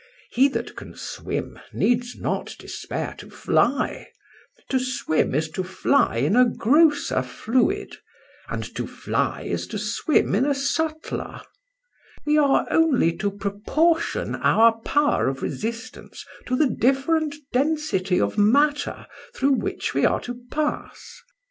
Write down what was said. He that can swim needs not despair to fly; to swim is to fly in a grosser fluid, and to fly is to swim in a subtler. We are only to proportion our power of resistance to the different density of matter through which we are to pass.